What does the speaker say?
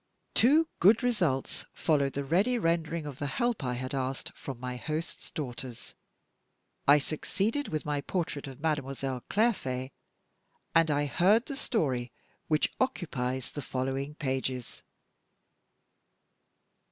Two good results followed the ready rendering of the help I had asked from my host's daughters. I succeeded with my portrait of Mademoiselle Clairfait, and I heard the story which occupies the following pages.